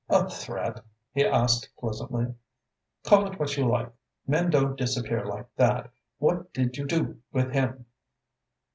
"A threat?" he asked pleasantly. "Call it what you like. Men don't disappear like that. What did you do with him?"